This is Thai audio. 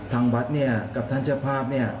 ทางวัดเนี่ยกับท่านเจ้าภาพเนี่ย